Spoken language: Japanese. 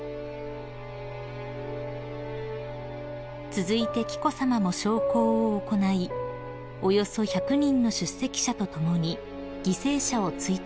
［続いて紀子さまも焼香を行いおよそ１００人の出席者と共に犠牲者を追悼されました］